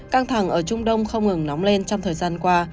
căng thẳng ở trung đông không ngừng nóng lên trong thời gian qua